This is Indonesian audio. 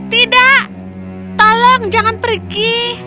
tidak tolong jangan pergi